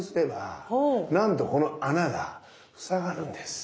なんとこの穴が塞がるんです。